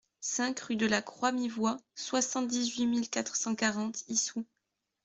cinq rue de la Croix Mi Voie, soixante-dix-huit mille quatre cent quarante Issou